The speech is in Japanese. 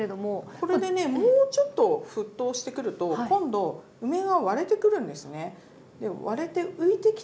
これでねもうちょっと沸騰してくると今度梅が割れてくるんですね。